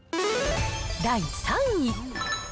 第３位。